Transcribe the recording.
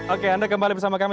oke anda kembali bersama kami